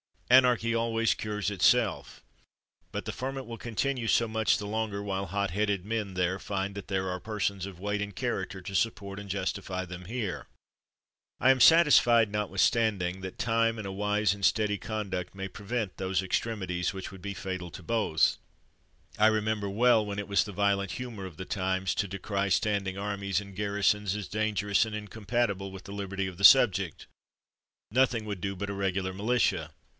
Anarchy always cures itself; but the ferment will continue so much the longer while hotheaded men there find that there are persons of weight and character to support and justify them here. I am satisfied, notwithstanding, that time and a wise and steady conduct may prevent those extremities which would be fatal to both. I re member well when it was the violent humor of the times to decry standing armies and garrisons as dangerous, and incompatible with the liberty of the subject. Nothing would do but a regular militia.